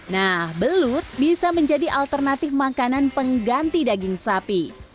nah belut bisa menjadi alternatif makanan pengganti daging sapi